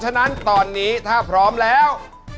ฉะนั้นตอนนี้ถ้าพร้อมแล้ว